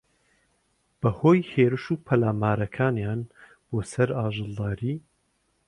بەھۆی ھێرش و پەلامارەکانیان بۆسەر ئاژەڵداری